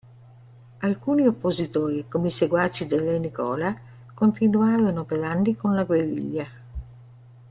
Alcuni oppositori, come i seguaci del re Nicola, continuarono per anni con la guerriglia.